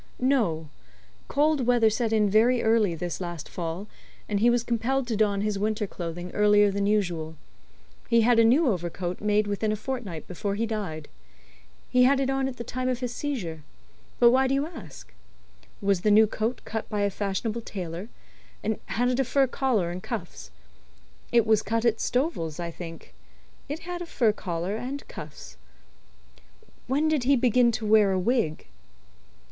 "No. Cold weather set in very early this last fall, and he was compelled to don his winter clothing earlier than usual. He had a new overcoat made within a fortnight before he died. He had it on at the time of his seizure. But why do you ask?" "Was the new coat cut by a fashionable tailor, and had it a fur collar and cuffs?" "It was cut at Stovel's, I think. It had a fur collar and cuffs." "When did he begin to wear a wig?"